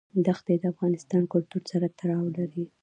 دښتې د افغان کلتور سره تړاو لري.